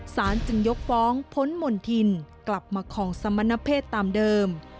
สารจึงยกฟ้องพ้นมณฑินกลับมาของสมณเพศตามเดิม